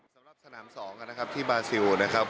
สำหรับสนาม๒นะครับที่บาซิลนะครับ